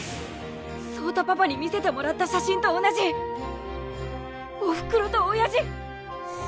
草太パパに見せてもらった写真と同じおふくろと親父！？